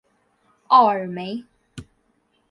奥尔梅。